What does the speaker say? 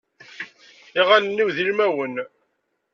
Iɣallen-iw d ilmawen.